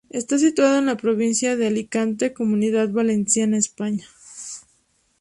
Está situado en la provincia de Alicante, Comunidad Valenciana, España.